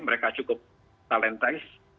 mereka cukup talentis